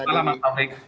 selamat malam mas adi